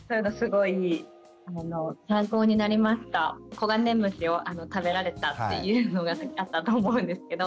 コガネムシを食べられたっていうのがあったと思うんですけど